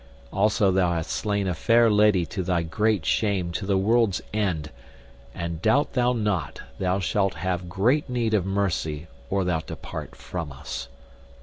Also thou hast slain a fair lady to thy great shame to the world's end, and doubt thou not thou shalt have great need of mercy or thou depart from us.